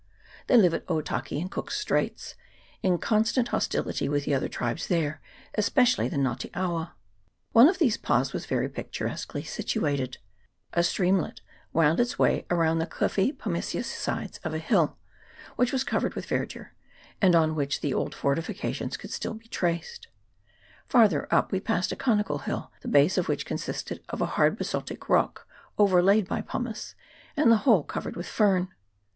They live at Otaki, in Cook's Straits, inc on stant hostility with the other tribes there, especially the Nga te awa. One of these pas was very pic turesquely situated : a streamlet wound its way around the cliffy pumiceous sides of a hill, which was covered with verdure, and on which the old fortifications could still be traced ; farther up we passed a conical hill, the base of which consisted of a hard basaltic rock overlaid by pumice, and the whole covered with fern.